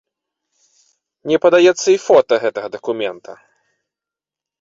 Не падаецца і фота гэтага дакумента.